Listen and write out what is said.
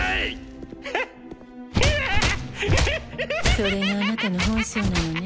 それがあなたの本性なのね